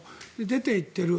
出ていっている。